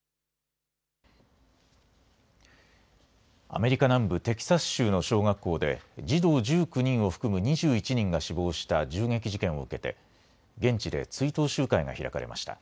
アメリカ南部テキサス州の小学校で児童１９人を含む２１人が死亡した銃撃事件を受けて現地で追悼集会が開かれました。